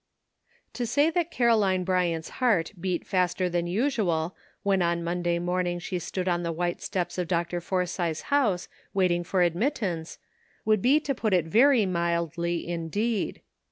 To say that Caroline Bryant's heart beat faster than usual when on Monday morning she stood on the white steps of Dr. Forsythe's house waiting for admittance, would be to put it very mildly indeed.